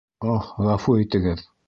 Аһ, ғәфү итегеҙ!